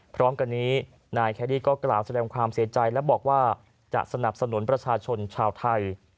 พร้อมกันนี้นายแคนดี้ก็กล่าวแสดงความเสียใจและบอกว่าจะสนับสนุนประชาชนชาวไทย